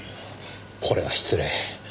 これは失礼。